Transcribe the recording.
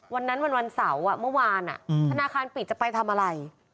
วันนั้นวันเสาร์เมื่อวานธนาคารปิดจะไปทำอะไร